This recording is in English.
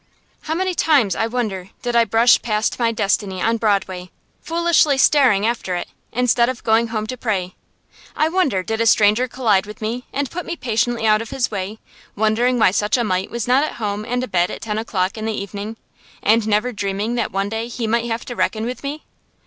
How many times, I wonder, did I brush past my destiny on Broadway, foolishly staring after it, instead of going home to pray? I wonder did a stranger collide with me, and put me patiently out of his way, wondering why such a mite was not at home and abed at ten o'clock in the evening, and never dreaming that one day he might have to reckon with me?